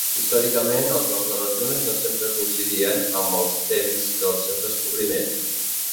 Històricament, els noms de les llunes no sempre coincidien amb els temps del seu descobriment.